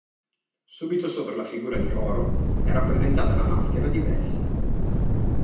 Subito sopra la figura di Horo, è rappresentata la maschera di Bes.